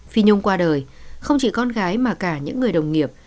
phi nhung qua đời không chỉ con gái mà cả những người đồng nghiệp